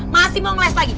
masih mau ngeles lagi